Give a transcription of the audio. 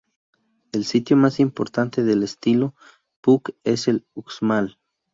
El sitio más importante del estilo Puuc es Uxmal.